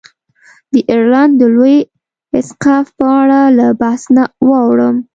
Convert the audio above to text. د ایرلنډ د لوی اسقف په اړه له بحث نه واوړم.